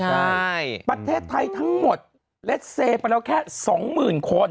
ใช่ประเทศไทยทั้งหมดเลสเซไปแล้วแค่สองหมื่นคน